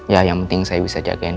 ya yang penting saya bisa jagain